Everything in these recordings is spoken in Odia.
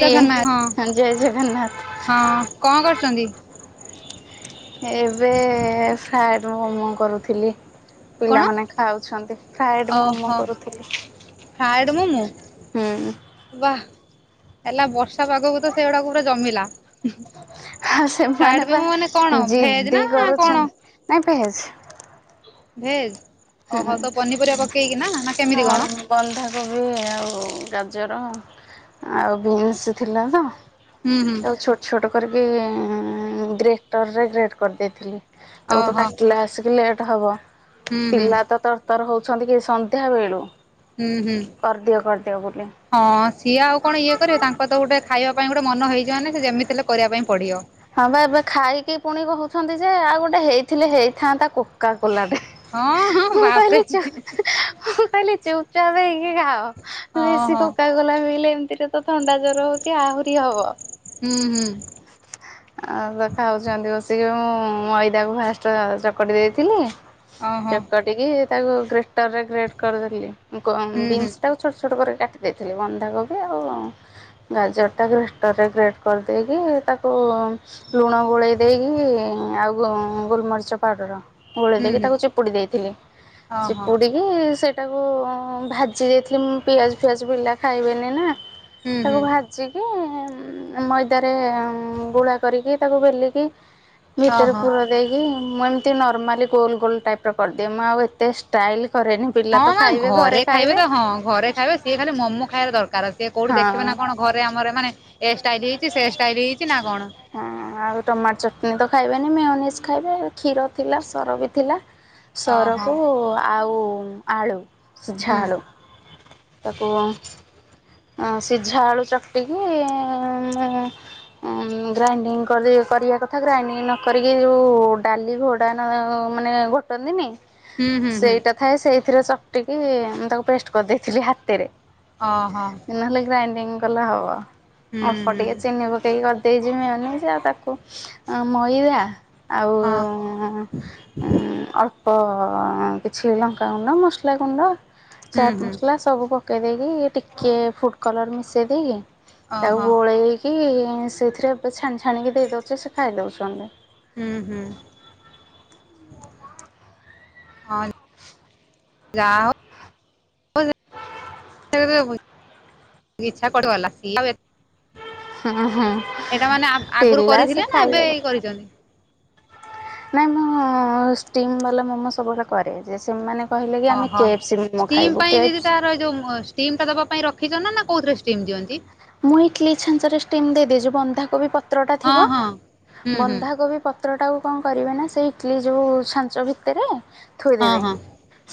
କିଏ ହଁ ଜୟ ହଁ କଣ କରୁଛନ୍ତି? ଜଗନ୍ନାଥ। ଏବେ ଫ୍ରାଏଡ ମୋମୋ କରୁଥିଲି। କଣ? ପିଲାମାନେ ଖାଉଛନ୍ତି। ଫ୍ରାଏଡ ମୋମୋ ଓହୋ କରୁଥିଲି। ମୋମୋ। ହୁଁ। ୱା ହେଲା ବର୍ଷା ପାଗକୁ ତ ସେଗୁଡାକ ପୁରା ଜମିଲା। ହଁ ଫ୍ରାଏଡ ସେମାନେ ବା ମୋମୋ ମାନେ କଣ ଭେଜ ଜିଦି ନା କଣ କରୁଛନ୍ ନାଇଁ ଭେଜ। ଭେଜ୍ ହୁଁ। ଓହୋ ତ ପନିପରିବା ପକେଇକିନା ନା କେମିତି କଣ? କୋବି ଆଉ ଗାଜର ଆଉ ବିନ୍ସ ଥିଲା ତ ହୁଁ ହୁଁ ତାକୁ ଛୋଟ ଛୋଟ କରିକି ଗ୍ରେଟରରେ ଗ୍ରେଟ କରିଦେଇଥିଲି। ତାକୁ ତ ଓହୋ କାଟିଲେ ଆସିକି ଲେଟ୍ ହବ। ହୁଁ ହୁଁ ପିଲା ତ ତରତର ହଉଛନ୍ତି କି ସନ୍ଧ୍ୟା ବେଳୁ। ଉଁ ହୁଁ। କରିଦିଅ କରିଦିଅ ବୋଲି ହଁ ସିଏ ଆଉ କଣ ଇଏ କରିବେ ତାଙ୍କ ତ ଗୋଟେ ଖାଇବା ପାଇଁ ଗୋଟେ ମନ ହେଇଚି ମାନେ ସେ ଯେମିତି ହେଲେ କରିବା ପାଇଁ ପଡ଼ିଅ। ହଁ ପା ଏବେ ଖାଇକି ପୁଣି କହୁଛନ୍ତି ଯେ ଆଉ ଗୋଟେ ହେଇଥିଲେ ହେଇଥାନ୍ତା କୋକା କୋଲାଟେ। ହଁ ହଁ ମୁଁ ବାପରେ କହିଲି ଚୁ ମୁଁ କହିଲି ଚୁପଚାପ୍ ହେଇକି ଖାଅ। ବେଶୀ ଓହୋ କୋକା କୋଲା ପିଇଲେ ଏମତିରେ ତ ଥଣ୍ଡା ଜର ହୋଉଚି ଆହୁରି ହବ। ହୁଁ ହୁଁ। ଆଉ ତ ଖାଉଛନ୍ତି ବସିକି ମୁଁ ମଇଦାକୁ ଫାଷ୍ଟ ଚକଟି ଦେଇଥିଲି। ଓହୋ। ଚକଟିକି ତାକୁ ଗ୍ରେଟରରେ ଗ୍ରେଟ କରିଦେଲି ମୁ କ ହୁଁ ହୁଁ ବିନ୍ସଟାକୁ ଛୋଟ୍ ଛୋଟ୍ କରି କାଟି ଦେଇଥିଲି ବନ୍ଧାକୋବି ଆଉ ଗାଜରଟା ଗ୍ରେଟରରେ ଗ୍ରେଟ୍ କରିଦେଇକି ତାକୁ ଲୁଣ ଗୋଳେଇ ଦେଇକି ଆଉ ଗୋ ଗୋଲମରିଚ ପାଉଡ଼ର ଗୋଳେଇ ଦେଇକି ତାକୁ ଚିପୁଡ଼ି ଦେଇଥିଲି। ହଁ ହଁ। ଇ ସେଟାକୁ ଭାଜି ଦେଇଥିଲି ମୁଁ ପିଆଜ ଫିଆଜ ବିଲା ଖାଇବେନି ନା। ହୁଁ ହୁଁ ତାକୁ ଭାଜି କି ମଇଦାରେ ଗୁଳା କରିକି ତାକୁ ବେଲିକି ଭିତରେ ଓହୋ। ପୁର ଦେଇକି ମୁଁ ଏମିତି ନର୍ମାଲି ଗୋଲ ଗୋଲ ଟାଇପ୍ ର କରିଦିଏ ମୁଁ ଆଉ ଏତେ ଷ୍ଟାଇଲ୍ କରେନି। ପିଲା ହଁ ତ ହଁ ଖାଇବେ ଘରେ ଖାଇବେ ତ ହଁ ଘରେ ଖାଇବେ ଇଏ ଖାଲି ମୋମୋ ଖାଇଆର ଦରକାର। କିଏ କୋଉଠି ଦେଖିବେ ହଁ। ନାଁ କଣ ଘରେ ଆମର ମାନେ ଏସ୍ ଟାଇରି ହେଇଚି ସେ ଷ୍ଟାଇଲ୍ ହେଇଚି ନାଁ କଣ? ହଁ। ଆଉ ଟମାଟ ଚଟଣି ତ ଖାଇବେନି ମେଓନିସ୍ ଖାଇବେ କ୍ଷୀର ଥିଲା ସର ବି ଥିଲା। ଓହୋ ସରକୁ ଆଉ ଆଳୁ ସିଝା ହୁଁ। ଆଳୁ। ତାକୁ ଅଁ ସିଝା ଆଳୁ ଚକଟି କି ମୁଁ ଉଁ ଗ୍ରାଇଣ୍ଡିଙ୍ଗ୍ କରି କରିବା କଥା ଗ୍ରାଇଣ୍ଡିଙ୍ଗ୍ ନ କରିକି ଯୋଉ ଡାଲି ଘୋଡ଼ା ନ ମାନେ ଘୋ ଟନ୍ତିନି ହୁଁ ହୁଁ ହୁଁ ସେଇଟା ଥାଏ ସେଇଥିରେ ଚକଟି କି ମୁଁ ତାକୁ ପେଷ୍ଟ କରିଦେଇଥିଲି ହାତେରେ। ଅହ। ନହେଲେ ଗ୍ରାଇଡିଙ୍ଗ୍ କଲେ ହବ। ହୁଁ ଅଳ୍ପ ହୁଁ ଟିକେ ଚିନି ବ ଇ ଅରଦେଇଚି ମିଓନିଜ୍ ଆ ତାକୁ ଅ ମଇଦା ଆଉ ହଁ। ଉଁ ଅଳ୍ପ କିଛି ଲଙ୍କାଗୁଣ୍ଡ ମସଲାଗୁଣ୍ଡ ହୁଁ ଚାଟ୍ ହୁଁ ମସଲା ସବୁ ପକେଇ ଦେଇକି ଟିକେ ଫୁଡ଼୍ କଲର୍ ମିଶେଇ ଦେଇକି ତାକୁ ଓହୋ ଗୋଳେଇକି ସେଇଥିରେ ପେ ଛାଣି ଛାଣିକି ଦେଇ ଦଉଚି ସେ ଖାଇ ଦୋଉଛନ୍ତି। ଉଁ ହୁଁ। ହଁ ଯାହା ହ ଏବେ ହୁଏ ଇଚ୍ଛା କୁଆଡ଼ୁ ଗଲା ସିଏ ଆଉ ଏ ହୁଁ ହୁଁ ଏଟା ମାନେ ଆ ଆଗୁରୁ ପିଲା ସେ କରିଥିଲେ ନାଁ ଏବେ ଖାଇବେ ଇ କରିଚନ୍ତି? ନାଁ ମୁଁ ଷ୍ଟିମ୍ ବାଲା ମୋମୋ ସବୁବେଳେ କରେ ଯେ ସେମାନେ କହିଲେ କି ଆମେ କେ ଏଫ୍ ସି ମୋମୋ ଖାଇବୁ କେ ଏଫ୍ ସ୍ ର ଏ ଯୋଉ ମୋସ୍ ଟିମ୍ ଟା ଦବା ପାଇଁ ରଖିଚ ନା ନାଁ କୋଉଥିରେ ଷ୍ଟିମ୍ ଦିଅନ୍ତି? ମୁଁ ଇଟଲି ଛାଞ୍ଚରେ ଷ୍ଟିମ୍ ଦେଇଦେଇଚି ବନ୍ଧାକୋବି ପତ୍ରଟା ହଁ ଥିବ ହଁ ହୁଁ ହୁଁ ବନ୍ଧାକୋବି ପ ତ୍ରଟାକୁ କଁ କରିବେ ନା ସେଇ ଇଟଲି ଯୋଉ ଛାଞ୍ଚ ଭିତରେ ହଁ ଥୋଇଦେବେ ହଁ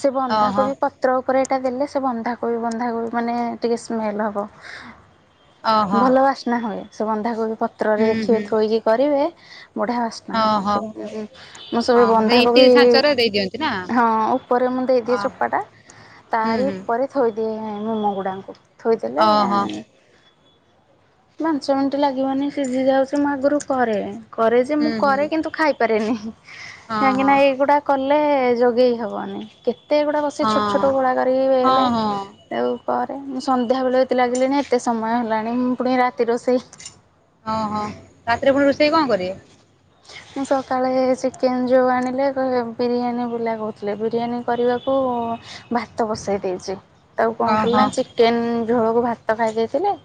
ସେ ଓହୋ ବନ୍ଧାକୋବି ପ ତ୍ର ଓପରେ ଏଟା ଦେଲେ ସେ ବନ୍ଧାକୋବି ବନ୍ଧାକୋବି ମାନେ ଟିକେ ସ୍ମେଲ୍ ହବ। ଓହୋ ଭଲ ବାସ୍ନା ହୁଏ ସେ ବନ୍ଧାକୋବି ହୁଁ ପତ୍ରରେ ଦେଖିବେ ହୁଁ ଥୋଇକି କରିବେ ବଢ଼ିଆ ଆସ୍ନା ହବ ଓହୋ ସବୁ ଏମିତି ମୁଁ ସବୁ ବନ୍ଧାକୋବି ଏଇ ଦିଅନ୍ତି ନାଁ? ହଁ ଉପରେ ମୁଁ ଦେଇଦିଏ ଚୋପାଟା। ହୁଁ ତାରି ହୁଁ ଉପରେ ଥୋଇଦିଏ ମୋମୋ ଗୁଡ଼ା ଓହୋ ଥୋଇଦେଲେ ପାଞ୍ଚ ମିନିଟ୍ ଲାଗିବନି ସିଝି ଯାଉଛି ମୁଁ ଆଗରୁ କରେ କରେ ଯେ ମୁଁ ହୁଁ ହୁଁ କରେ କିନ୍ତୁ ଖାଇପାରେନି କାହିଁକି ଓହୋ ନା ଏଇଗୁଡା କଲେ ଯୋଗେଇ ହବନି କେତେଗୁଡ଼ା ବସିି ହଁ ଛୋଟ ଛୋଟ ଗୁଳା କରିକି ହଁ ବେଲେ ହଁ ଆଉ କର ମୁଁ ସନ୍ଧ୍ୟାବେଳେ ଏତେ ଲାଗିଲିଣିି ଏତେ ସମୟ ହେଲାଣି ମୁଁ ପୁଣି ରାତି ରୋଷେଇ ହଁ ହଁ ରାତିରେ ପୁଣି ରୋଷେଇ କଣ କରିବେ? ମୁଁ ସକାଳେ ଚିକେନ ଯୋଉ ଆଣିଲେ କହିଲେ ବିରିୟାନୀ ବୁଲା କହୁଥିଲେ ବିରିୟାନୀ କରିବାକୁ ଭାତ ବସେଇ ଦେଇଛି। ତାକୁ କଣ ଓହୋ କଲଚିକେନ ଝୋଳକୁ ଭାତ ଖାଇ ଦେଇେଥିଲି।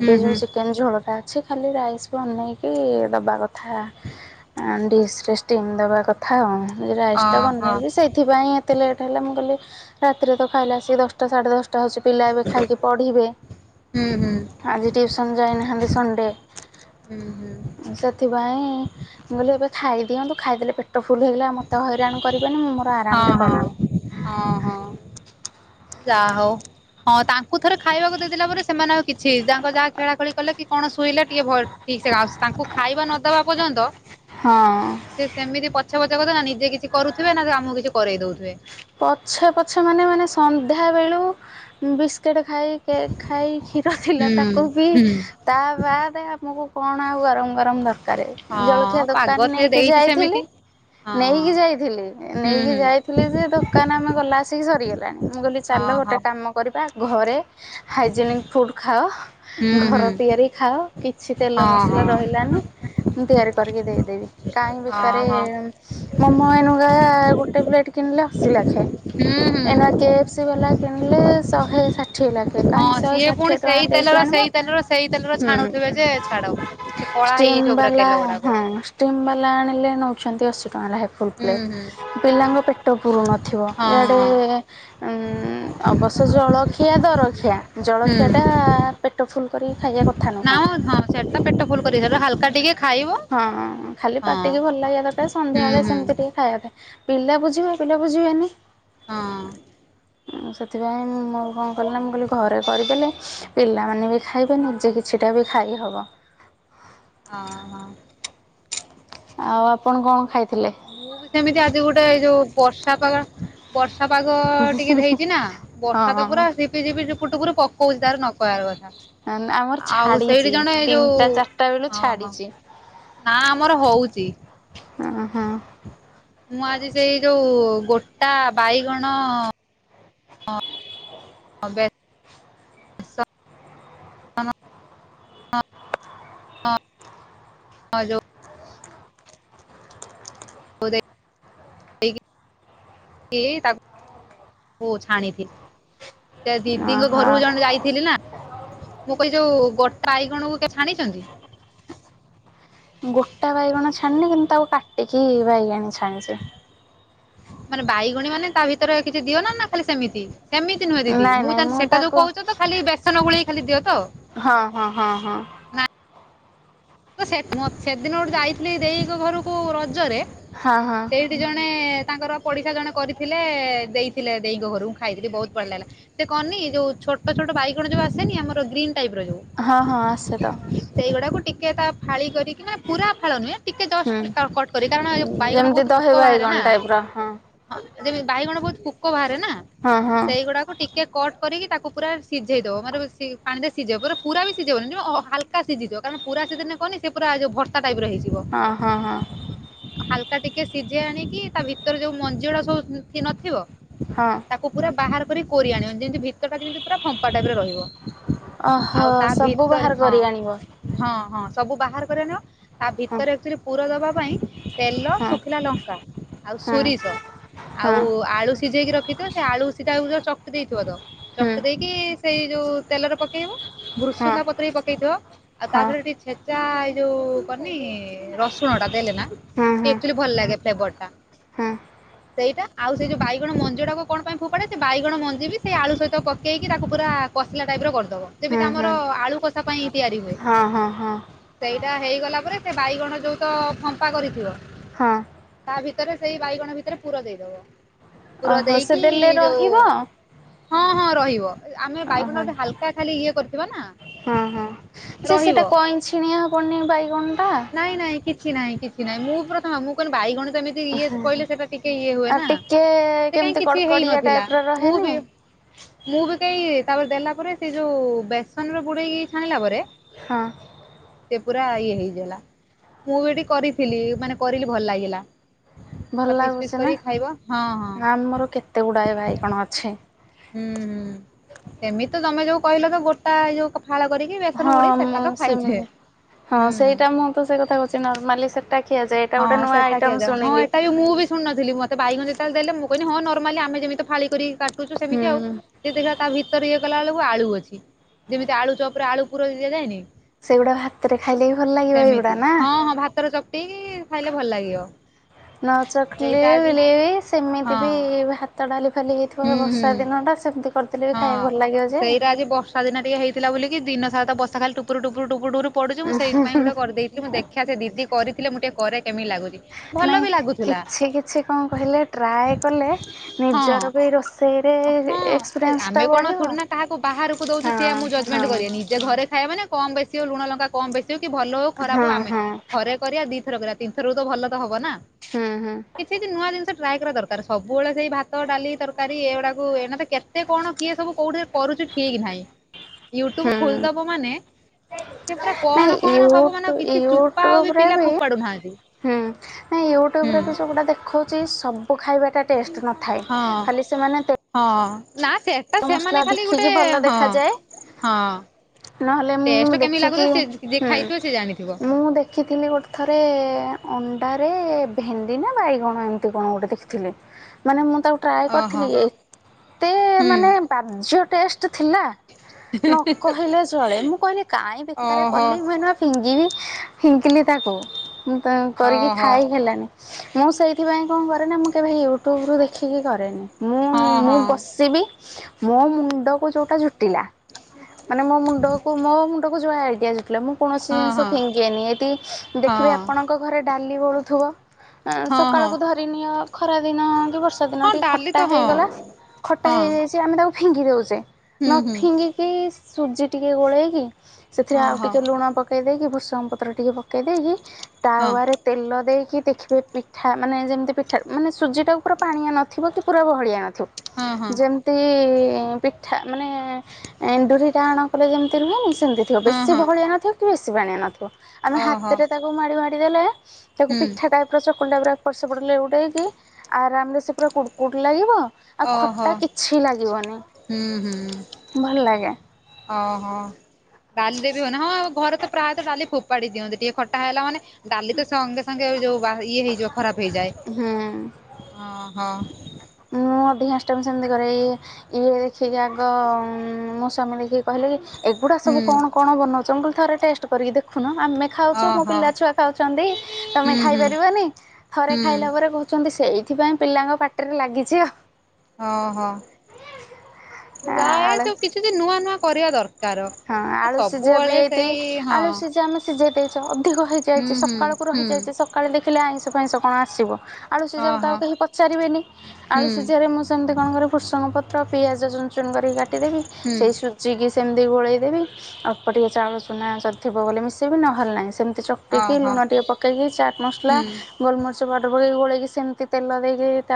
ହୁଁ ହୁଁ ଯୋଉ ଚିକେନ ଝୋଳ ଟା ଅଛି। ଖାଲି ରାଇସ୍ ବନେଇକି ଦବା କଥା। ଆ ଡିସରେ ଷ୍ଟିମ୍ ଦେବା କଥା ଆଉ ରାାଇସ୍ ଟା ଓହୋ ବନେଇଛି ସେଇ ଥିପାଇଁ ଏତେ ଲେଟ୍ ହେଲା ମୁଁ କହୀଲି ରାତିରେ ତ ଖାଇଲା ଆସିକି ଦଶଟା ସାଢ଼େ ଦଶଟା ଟା ହୋଉଛି ପିଲା ଏବେ ଖାଇକି ପଢିବେ। ହୁଁ ହୁଁ ଆଜି ଟିଉସନ୍ ଯାଇନାହାଁନ୍ତି ସଣ୍ଡେ ହୁଁ ହୁଁ ସେଥିପାଇଁ ମୁଁ କହିଲି ଏବେ ଖାଇଦିଅନ୍ତୁ ଖାଇଦେଲେ ପେଟ ଫୁଲ ହେଇଗଲା ଆ ମୋତେ ହଇରାଣ କରିବେନି ମୁଁ ମୋର ହଁ ଆରାମରେ କରିବି। ହଁ ହଁ ହଁ। ଯାହା ହଉ ହଁ ତାଙ୍କୁ ଥରେ ଖାଇବାକୁ ଦେଇଦେଲା ପରେ ସେମାନେ ଆଉ କିଛି ତାଙ୍କ ଯାହା ଖେଳା ଖେଳି କଲେ ତି କଣ ଶୋଇଲା ଟିକେ ଭ ଠିକସେ ତାଙ୍କୁ ଖାଇବା ନଦବା ପର୍ଯ୍ୟନ୍ତ ହଁ ସେ ସେମିତି ପଛେ ପଛେ କରୁ ନା ନିଜେ କିଛି କରୁଥିବେ ନା ସେ ଆମକୁ କିଛି କରେଇ ଦଉଥିବେ ପଛେ ପଛେ ମାନେ ମାନେ ସନ୍ଧ୍ୟାବେଳୁ ବିସ୍କେଟ୍ ଖାଇ କେକ ଖାଇ କ୍ଷୀର ଥିଲା ହୁଁ ତାକୁ ପିଇ ହୁଁ ତା ବାଦେ ଆମକୁ କଣ ଆଉ ଗରମ ଗରମ ଦରକାରେ। ଜଳଖିଆ ହଁ ପାଗ ଦୋକାନ ସେ ନେଇକି ଦେଇଛି ସେମିତି ଯାଇଥିଲି ହଁ ନେଇକି ଯାଇଥିଲେ ହଁ ହୁଁ ନେଇକି ହୁଁ ଯାଇଥିଲେ ଯେ ଦୋକ୍ କାହିଁନା ଆମେ ଗଲାବେଳସିକି ସରିଗଲାଣି। ମୁଁ କହିଁଲି ଚାଲ ଓହୋ ଗୋଟେ କାମ କରିବା ଘରେ ହାଇଜେନିକ୍ ଫୁଡ଼୍ ହୁଁ ଖାଅ ହୁଁ ଘର ତିଆରି ଖାଅ କିଛି ତେଲ ହଁ ମସଲା ହଁ ରହିଲାନି ମୁଁ ତିଆରି କରିକି ଦେଇଦେବି କାହିଁ ବେକାରେ ଓହୋ ମୋମ ଏନୁକା ଗୋଟେ ପ୍ଲେଟ କିଣିଲେ ଅଶି ଲାଖ୍ ଖେ ହୁଁ ହୁଁ ଏନା କେ ଏଫ୍ସି ବାଲା କିଣିଲେ ଶହେ ଷାଠିଏ ଲାଖେ ସେ ହଁ କାହିଁକି ଶହେ ସିଏ ପୁଣି ଷାଠିଏ ଟଙ୍କା ସେଇ ଦେଇକି ତେଲର ଆଣିବ ସେଇ ତେଲର ସେଇ ତେଲର ଛାଣୁଥିବେ ଯେ ଛାଡ। ହୁଁ ସେ କଳା ଷ୍ଟିମ ହେଇଯାଇଥିବ ପୁରା ବାଲା ତେଲ ଗୁଡାକ ହଁ ଷ୍ଟିମ୍ ବାଲା ଆଣିଲେ ନେଉଛନ୍ତି ଅଶୀ ଟଙ୍କା ଲାଖେ ଫୁଲ୍ ହୁଁ ପ୍ଲେଟ୍। ହୁଁ। ପିଲାଙ୍କ ପେଟ ପୁରୁ ନଥିବ ଇଆଡ଼େ ହଁ ଉଁ ଅବଶ୍ୟ ଜଳଖିଆ ଦରଖିଆ ଜଳଖିଆ ହୁଁ ଟା ଆ ପେଟ ଫୁଲ କରି ଖାଇବା କଥା ଥା ନା ନୁହଁ। ମ ହଁ ସେଟା ପେଟ ଫୁଲ କରିବ ସେଟା ହାଲକା ଟିକେ ଖାଇବ ହଁ ଖାଲି ହଁ ପାଟିିକୁ ଭଲ ଲାଗିବା କ ତା ହୁଁ ସନ୍ଧ୍ୟାବେଳେ ହୁଁ ସେମିତି ଟିକେ ଖାଇବା ପାଇଁ ପିଲା ବୁଝିବେ ପିଲା ବୁଝିବେନି ହଁ। ହୁଁ ସେଥିପାଇଁ ମୁଁ କଣ କଲି ନା ମୁଁ କହିଲି ଘରେ କରିଦେଲେ ପିଲାମାନେ ବି ଖାଇବେ ନିଜେ କିଛିଟା ବି ଖାଇହବ। ହଁ ହଁ। ଆଉ ଆପଣ କଣ ଖାଇଥିଲେ? ମୁଁ ବି ସେମିତି ଆଜି ଗୋଟେ ଏଇ ଯୋଉ ବର୍ଷା ପାଗ ବର୍ଷା ପାଗ ଟିକେ ଦେଇଛି ନା ହଁ ବର୍ଷା ତ ପୁରା ସି ଝିପି ଝିପି ଝୁପୁରୁ ଟୁପୁରୁ ପକୋଉଛି ତାର ନ କହିବାର କଥା। ଆ ନ୍ ଆମର ଆଉ ସେଇଠି ଛାଡିଛି ଜଣେ ଏଇ ଯୋଉ ତିନିଟା ଚାରିଟା ବେଳୁ ଓହୋ ଛାଡିଛି। ନା ଆମର ହୋଉଛି। ହଁ ହଁ। ମୁଁ ଆଜି ସେଇ ଯୋଉ ଗୋଟା ବାଇଗଣ ବେସନ ହଁ ଯଉ - [unintelligible] [unintelligible] ତା ଦିଦିଙ୍କ ଓହୋ ଘରକୁ ଜଣେ ଯାଇଥିଲି ନା, ମୁଁ କହିଲି ଯଉ ଗୋଟା ଆଈଗଣକୁ ଛାଣିଛନ୍ତି? ଗୋଟା ବାଇଗଣ ଛାଣିନି କିନ୍ତୁ ତାକୁ କାଟିକି ବାଇଗାଣୀ ଛାଣିଛି। ମାନେ ବାଇଗଣୀ ମାନେ ତା ଭିତରେ କିଛି ଦିଅ ନା, ନା ଖାଲି ସେମିତି? ସେମିତି ନୁହେଁ ଦିଦି, ନାଇଁ ମୁଁ ନାଇଁ ଜାଣିଚି ସେଟା ଯୋଉ ତାକୁ କହୁଛ ତ ଖାଲି ବେସନ ଗୋଳେଇ ଖାଲି ଦିଅ ତ। ହଁ ହଁ ହଁ ହଁ ନା ସେ ସେଦିନ ଗୋଟେ ଯାଇଥିଲି ଦେଇଙ୍କ ଘରକୁ ରଜରେ ହଁ ହଁ ସେଇଠି ଜଣେ ତାଙ୍କର ପଡ଼ିଶା ଜଣେ କରିଥିଲେ ଦେଇଥିଲେ ଦେଇଙ୍କ ଘରକୁ ଖାଇଥିଲି ବହୁତ ଭଲ ଲାଗିଲା। ସେ କହନି ଯୋଉ ଛୋଟ ଛୋଟ ବାଇଗଣ ଯୋଉ ଆସନି ଆମର ଗ୍ରୀନ ଟାଇପ ର ଯୋଉ ହଁ ହଁ ଆସେ ତ ସେଇଗୁଡାକୁ ଟିକେ ତା ଫାଳି କରିକି ମାନେ ପୁରା ଫାଳ ନୁହେଁ। ଟିକେ ହୁଁ ଜଷ୍ଟ କଟ କରି କାରଣ ବାଇଗଣ ଯେମିତି ବହୁତ ପୋକ ଦହି ବାହାରେ ବାଇଗଣ ନା ଟାଇପ୍ ର ହଁ ହଁ ଯେମିତି ବାଇଗଣ ବହୁତ ପୋକ ବାହାରେ ନା ହଁ ହଁ ସେଇଗୁଡାକ ଟିକେ କଟ୍ କରିକି ତାକୁ ପୁରା ସିଝେଇଦବ ମାନେ ପାଣିରେ ସିଝେଇବ ପୁରା ପୁର ବି ସିଝେଇବନି ହଲକା ସିଝିଥିବ, କାରଣ ପୁରା ସେଦିନ କହନି ସେ ପା ଯଉ ଭତ୍ତା ଟାଇପ ର ହେଇଯିବ ହଁ ହଁ ହଁ ହାଲକା ଟିକେ ସିଝେଇ ଆଣିକି ତା ଭିତରେ ଯୋଉ ମଞ୍ଜିଗୁରା ସବୁ ନଥିବ ହଁ ଅଁ ତାକୁ ପୁରା ବାହାର କରି, କୋରି ଆଣିବ, ଯେମିତି ଭିତର ଟା ଯେମିତି ପୁରା ଫମ୍ପା ଟାଇପ ରେ ରହିବ। ଓହୋ ଆଉ ତା ସବୁ ଭିତରେ ବାହାର ହଁ କରି ଆଣିବ। ହଁ ହଁ ସବୁ ବାହାର କରି ଆଣିବ, ତା ହଁ ଭିତରେ ଆକୁଚୁଆ ଲି ପୁର ଦବା ପାଇଁ ତେଲ, ହଁ ଶୁଖିଲା ଲଙ୍କା ଆଉ ହଁ ସୋରିଷ ହଁ ଆଉ ଆଳୁ ସିଝେଇକି ର ରଖିଥିବ, ସେ ଆଳୁ ସିଧା ଚକିଟି ଦେଇଥିବ, ତ ହୁଁ ଚକିଟି ଦେଇକି ସେଇ ଯୋଉ ତେଲରେ ପକେଇବ, ହଁ ଭୃଶୁଙ୍ଗା ପତ୍ର ପକେଇଥିବ। ଆଉ ତା ହଁ ରେ ଟିକେ ଛେଚା ଏଇ ଯୋଉ କରିନି ରସୁଣ ଟା ଦେଲେ ନା ହଁ ହଁ ଆକୁଚୁଆଲି ଭଲ ଲାଗେ ଫ୍ଲେବର ଟା [unintelligible] ସେଇଟା ଆଉ ସେଇ ଯଉ ବାଇଗଣ ମଞ୍ଜିଟା କଣ ପାଇଁ ଫୋପାଡେ ସେ ବାଇଗଣ ମଞ୍ଜି ବି ସେଇ ଆଳୁ ସହିତ ପକେଇକି ତାକୁ ପୁରା କସିଲା ଟାଇପ ର କରିଦବ ହୁଁ ଯେମିତି ହୁଁ ଆମର ଆଳୁ କଷା ପାଇଁ ତିଆରି ହୁଏ। ହଁ ହଁ ହଁ ସେଇଟା ହେଇଗଲା ପରେ ସେ ବାଇଗଣ ଯୋଉ ତ ଫମ୍ପା କରିଥିବ। ହଁ ତା ଭିତରେ, ସେଇ ବାଇଗଣ ଭିତରେ ପୁର ଦେଇଦବ, ପୁର ଓହୋ ସେ ଦେଇକି ଦେଲେ ଯୋଉ ରହିବ ହଁ ହଁ ରହିବ, ଆମେ ବାଇଗଣ ଗଟେ ହାଲକା ଖାଲି ଇଏ କରିଥିବା ନା ହୁଁ ହଁ ଯେ ରହିବ। ସେଇଟା କଇଁ ଛିଣିଆ ହବନି ବାଇଗଣ ଟା? ନାଇଁ ନାଇଁ କିଛି ନାଇଁ, କିଛି ନାଇଁ, ମୁଁ ପ୍ରଥମ ମୁଁ କଣ ବା ଇଗଣ ତ ଏମିତି ଇଏ କହିଲେ ସେଟା ଟିକେ ଇଏ ହୁଏ ଆଉ ନା, ଟିକେ ସେ କାଇହିଁ କେମିତି କିଛି ହେଇ କଡ଼କଡ଼ିଆ ନଥିଲା, ଟାଇପ୍ ର ମୁଁ ରହେନି ବି [unintelligible] ମୁଁ ବି କେହି ତାପରେ ଦେଲା ପରେ, ସେଇ ଯୋଉ ବେସନ ର ବୁଡେଇକି ଛାଣିଲା ପରେ ହଁ ସେ ପୁରା ଇଏ ହେଇଗଲା। ମୁଁ ବି ଏଠି କରିଥିଲି, ମାନେ କରିଲି ଭଲ ଲାଗିଲା। ତା ଭଲ ପିସ୍ ପିସ୍ ଲାଗୁଛି ନା, କରିକି ଖାଇବ ହଁ ହଁ ଆମର କେତେ ଗୁଡ଼ାଏ ବାଇଗଣ ଅଛି। ହୁଁ ହୁଁ, ସେମିତି ତମେ ଯୋଉ କହିଲ ତ ଗୋଟା ଏଇ ଯୋଉ ଫାଳ କରିକି ବେସନ ହଁ, ବୁଡେଇ ସେଟା ମୁଁ ତ ଖାଇଛେ ସେମିତି, ହଁ ହୁଁ ହୁଁ। ସେଇଟା ମୁଁ ତ ସେ କଥା କହୁଛି ନର୍ମାଲି ଟା ଖିଆଯାଏ, ଏଇଟା ଗୋଟ ନୂଆ ଆଇଟମ୍ ଶୁଣିଲି। ଶୁଣୁ ନଥିଲି ମୋତେ ବାଇଗଣ ଯେତେବେଳେ ଦେଲେ ମୁଁ କହିିଲି ହଁ ନର୍ମାଲି ଆମେ ଯେମିତି ଫାଳି କରି କାଟୁଛୁ ସେମତି ହୁଁ ଆଉ ଇଏ ଦେଖି ତା ଭିତରେ ଇଏ କଲା ବେଳକୁ ଆଳୁ ଅଛି ଯେମିତି ଆଳୁ ଚପ ରେ ଆଳୁ ପୁର ଦିଆଯାଏନି ତା ସେଗୁଡା ଭାତରେ ଖାଇଲେ ବି ଭଲ ଲାଗିବ ଏଗୁଡା ନା ହଁ ହଁ ଭାତର ଚକଟିକି ଖାଇଲେ ଭଲ ଲାଗିବ। ନ ଚକିଲେ ସେଇଟା ଆଜି ବିଲେଇବି ସେମିତି ହଁ ବି ଭା - ତ ଡାଲି ଫାଲି ହେଇଥିବ ହୁଁ ହୁଁ ବର୍ଷା ଦିନଟା ସେମିତି କରିଥିଲେ ବି ଖାଇବା ଭଲ ଲାଗିବ ଯେ ସାଦିନ ଟିକେ ହେଇଥିଲା ବୋଲି ଦିନ ସାରା ତ ବର୍ଷା ଖାଲି ଟୁପୁରୁ ଟୁପୁରୁ ଟୁପୁରୁ ଟୁପୁରୁ ପଡୁଛି ମୁଁ ସେଇଥି ପାଇଁ ଗୋଟେ କରିଦେଇ- ମୁଁ ଦେଖା ଯେ ଦିଦି କରିଥିଲେ ମୁଁ ଟିକେ କରେ କେମିତି ଲାଗୁଛି? ଭଲ ନାଇଁ ବି ଲାଗୁଥିଲା କିଛି କିଛି କଣ କହିଲେ ଟ୍ରାଏ କଲେ ହଁ ନିଜର ବି ରୋଷେ- ହଁ ଆମେ କଣ ଥଡି ନା କାହାକୁ ବାହାରକୁ ଦେଉଛେ ହଁ ସିଏ ଆମକୁ ଜଜମେଣ୍ଟ ହଁ। କରିବେ ନି ଯେ ଘରେ ଖାଇବା ନା କମ ବେଶୀ ହଉ ଲୁଣ ଲଙ୍କା କମ ବେଶୀ ହଉ କି ଭଲ ହଉ ଖରାପ ହଁ ହଉ ଆମେ ହଁ ଥରେ କରିବା ଦି- ଥର କରିବା ତିନିଥର ବେଳକୁ ଭଲ ତ ହବ ନା ହୁଁ ହୁଁ କିଛି କିଛି ନୂଆ ଜିନିଷ ଟ୍ରାଏ କରିବା ଦରକାର ସବୁବେଳେ ସେଇ ଭାତ ଡାଲି ତରକାରୀ ଏଗୁଡା- ଅ ଏମାନେ କେତେ କଣ କିଏ ସବୁ କୋଉଠି କରୁଛୁ, ଠିକ ନାହିଁ? ୟୁଟ୍ୟୁବ ହୁଁ। ଖୋଲି ଦବ ମାନେ ସେ ପୁରା କଣ ନାଇଁ କଣ ସବୁ ୟୁଟୁ ମାନେ କିଛି ଚୁପା ଆଉ ବି ୟୁଟ୍ୟୁବରେ ପିଲା ଫୋପାଡୁ ନାହାନ୍ତି। ହୁଁ, ନାଇଁ ୟୁଟ୍ୟୁବ ହୁଁ ରେ ବି ସବୁଟା ଦେଖାଉ ସେ ସବୁ ଖାଇବାଟା ଟେଷ୍ଟ ନ ଥାଏ, ହଁ ଖାଲି ସେମାନେ ତେ- ହଁ, ନା ସେ ମସଲା ଦେଖିକି ଭଲ ଦେଖାଯାଏ। ହଁ। ନହେଲେ, ମୁଁ ଟେଷ୍ଟ କେମିତି ଦେଖିକି, ଲାଗୁଥିବ ସେ ଯିଏ ହୁଁ, ଖାଇଥିବ ସେ ଜାଣିଥିବ ମୁଁ ଦେଖ ଦେଖିଥିଲି, ଗୋଟେ ଥରେ ଅଣ୍ଡାରେ ଭେଣ୍ଡି ନା ବାଇଗଣ ଏମିତି କଣ ଗୋଟେ ଦେଖିଥିଲି ମାନେ ମୁଁ ତାକୁ ଟ୍ରାଏ ଓହୋ କରିଥିଲି ଏତେ ହୁଁ ମାନେ ବାଜ୍ୟ ଟେଷ୍ଟ ଥିଲା ନ କହିଲେ ଚଳେ, ମୁଁ କହିଲି କାଇଁ ବେକାର ଓହୋ କଲି ମେହେନତ ଫିଙ୍ଗିବି, ଫିଙ୍ଗିଲି ତାକୁ, ତ କରିକି ଓହୋ ଖାଇ ହେଲାନି। ମୁଁ ସେଇଥିପାଇଁ କଣ କରେ ନା, ମୁଁ କେବେ ୟୁଟ୍ୟୁବ ରୁ ଦେଖିକି କରେନି। ମୁଁ, ହଁ ହଁ ମୁଁ ବସିବି, ମୋ ମୁଣ୍ଡକୁ ଯୋଉଟା ଜୁଟିଲା ମାନେ ମୋ ମୁଣ୍ଡକୁ, ମୋ ମୁଣ୍ଡକୁ ଯଉ ଆଇଡିଆ ଜୁଟି ଲା ମୁଁ କୌଣସି ହଁ ଜିନିଷ ହଁ ଫିଙ୍ଗେନି, ଏଇଠି ହଁ ଦେଖିବେ ଆପଣଙ୍କ ଘରେ ଡାଲି ବଳୁଥିବ- ହଁ ହଁ ସକାଳକୁୁ ଧରିନିଅ ଖରା ଦିନ କି ବର୍ଷା ଯଉ ଦିନେ ହଁ ଟିକେ ଡାଲି ଖଟା ତ ହଁ ହେଇଗଲା, ଖଟା ହଁ ହେଇଯାଇଛି ଆମେ ତାକୁ ଫିଙ୍ଗି ଦେଉଛେ, ହୁଁ ନ ହୁଁ ଫିଙ୍ଗି କି ସୁଜି ଟିକେ ଗୋଳେଇକି, ସେଥିରେ ହଁ ଆଉ ହଁ ଟିକେ ଲୁଣ ପକେଇ ପକେଇ ଦେଇକି, ଭୂଷଙ୍ଗ ପତ୍ର ଟିକେ ପକେଇ ଦେଇକି, ହଁ ତାୱାରେ ତେଲ ଦେଇକି, ଦେଖିବେ ପିଠା ମାନେ ଯେମିତି ପିଠା ମାନେ ସୁଜିଟାକୁ ପୁରା ପାଣିଆ ନଥିବ କି ପୁରା ଗହଳିଆ ନଥି- ହଁ ହଁ ଠିକ୍ ଯେମତି ପିଠା ମାନେ ଏଣ୍ଡୁରି ଟାଣ କଲେ ଯେମିତି ରୁହେନି, ସେମିତି ଥିବ ହଁ ବେଶୀ ହଁ ବହଳିଆ ନ ଥିବ କି ବେଶୀ ପାାଣିଆ ନଥିବ ଆମେ ଓହୋ ହାତରେ ତାକୁ ମାଡି ମାଡି ଦେଲେ ତାକୁ ହୁଁ ପିଠା ଟା [unintelligible] ଏପଟ ସେପଟ ଲେଉଟେଇକି ଆରାମରେ ପୁରା କୁଡ଼କୁଡ ଲାଗିବ, ଆଉ ଓହୋ ଖଟା କିଛି ଲାଗିବନି ହୁଁ ହୁଁ। ଭଲ ଲାଗେ। ଓହୋ ଡାଲିରେ ବି ହଉନି, ହଁ ଘରେ ତ ପ୍ରାୟତଃ ଡାଲି ଫୋପାଡି ଦିଅନ୍ତି ଟିକେ ଖଟା ହେଲା ମାନେ ଡାଲି ତ ସଙ୍ଗେ ସଙ୍ଗେ ଯୋଉ ଇଏ ହେଇଯିବ, ଖରାପ ହେଇଯାଏ, ହୁଁ। ହଁ ହଁ ମୁଁ ଅଧିକାଂଶ ସେମିତି କରେ ଏଇ ସେ ଯାକ ଆଗ, ମୋ ସ୍ଵାମୀ ନେଇକି କହିଲେ ଏଗୁଡ଼ା ସବୁ ହୁଁ କଣ କଣ ବନଉଛ ମୁଁ କହିଲି ଥରେ ଟେଷ୍ଟ କରିକି ଦେଖୁନ ଆମେ- ଖାଉଛୁ ମୋ ଓହୋ ପିଲା ଛୁଆ ଖାଉଛନ୍ତି ତମେ ହୁଁ ଖାଇ ହୁଁ ପାରିବନି ଥରେ ହୁଁ ଖାଇଲା ପରେ କହୁ- ଛନ୍ତି ସେଇଥିପାଇଁ ପିଲାଙ୍କ ପାଟିରେ ଲାଗିଛି ଆଉ ହଁ ହଁ ଯାଏ ଆଳୁ ତ କିଛିବି ନୂଆ ନୂଆ କରିବା ଦର- ହଁ ଆଳୁ ସିଝା ବି ଏଇତି ହଁ ଆଳୁ ସିଝା ମୁଁ ସିଝେଇ ଦେଇଛି ଅଧିକ ହେଇ- ହୁଁ ଯାଇଚି, ହୁଁ ସକାଳକୁୁ ହୁଁ। ରହିଯାଇଛି, ସକାଳୁ ଦେଖିଲେ ଆଇଁଷ ଫାଇଁଷ କଣ ଆସିବ। ଆଳୁ ସିଝାକୁ ତ ଆଉ ଓହୋ କେହି ପଚାରିବେନି। ହୁଁ ଆଳୁ ସିଝାରେ ମୁଁ ସେମିତି କଣ କରେ ଭୃସଙ୍ଗ ପତ୍ର ପିଆଜ ଚୁନ ଚୁନ କରିକି କାଟିଦେବି, ହୁଁ ସେଇ ସୁଜିିକି ସେମତି ତି ଗୋଳେଇ ଦେବି। ଅଳ୍ପ ଟିକେ ଚାଉଳ ଚୁନା ଥିବ ବୋଲି ମିଶେଇବି ନ ହେଲେ ନାହିଁ। ସେମିତି କି ଓହୋ ଲୁଣ ଟିକେ ପକେଇକି, ଚାଟ୍ ମସଲା, ହୁଁ। ଗୋଲମରିଚ ପାଉଡ଼ର ପକେଇକି ଗୋଳେଇକି ସେମିତି ତେଲ ଦେଇକି ତା